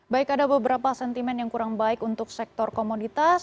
baik ada beberapa sentimen yang kurang baik untuk sektor komoditas